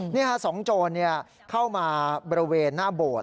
นี่ฮะสองโจรเข้ามาบริเวณหน้าโบสถ์